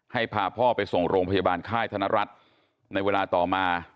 ให้พาพ่อไปส่งโรงพยาบาลค่ายธนรัฐในเวลาต่อมา